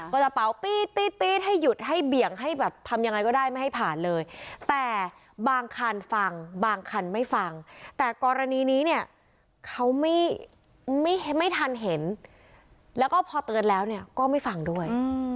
ก็กระเป๋าปี๊ดปี๊ดปี๊ดให้หยุดให้เบี่ยงให้แบบทำยังไงก็ได้ไม่ให้ผ่านเลยแต่บางคันฟังบางคันไม่ฟังแต่กรณีนี้เนี่ยเขาไม่ทันเห็นแล้วก็พอเตือนแล้วเนี่ยก็ไม่ฟังด้วย